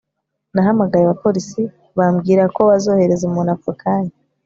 nahamagaye abapolisi bambwira ko bazohereza umuntu ako kanya